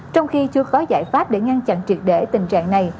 trong khi chưa có giải pháp để ngăn chặn triệt để tình trạng này